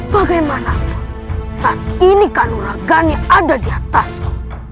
bagaimanapun saat ini kanura gani ada di atasmu